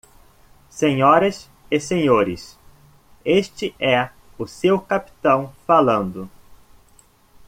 Senhoras e senhores, este é o seu capitão falando.